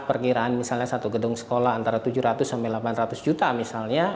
perkiraan misalnya satu gedung sekolah antara tujuh ratus sampai delapan ratus juta misalnya